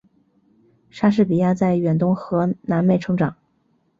莎士比亚在远东和南美成长。